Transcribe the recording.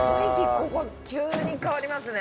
ここ急に変わりますね。